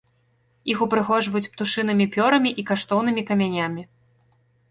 Іх ўпрыгожваюць птушынымі пёрамі і каштоўнымі камянямі.